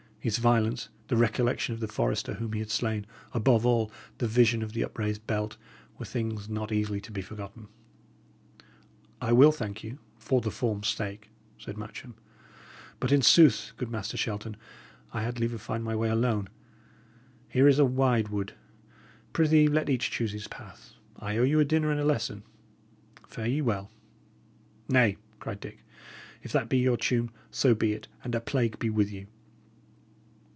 His violence, the recollection of the forester whom he had slain above all, the vision of the upraised belt, were things not easily to be forgotten. "I will thank you, for the form's sake," said Matcham. "But, in sooth, good Master Shelton, I had liever find my way alone. Here is a wide wood; prithee, let each choose his path; I owe you a dinner and a lesson. Fare ye well!" "Nay," cried Dick, "if that be your tune, so be it, and a plague be with you!"